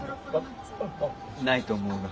ないと思うが。